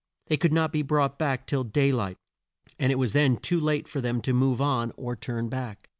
They could not be brought back till day light and it was then too late for them to move on or to turn back.